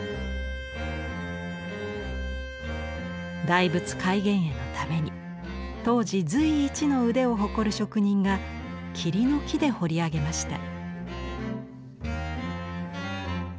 大仏開眼会のために当時随一の腕を誇る職人が桐の木で彫り上げました。